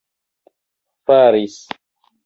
faris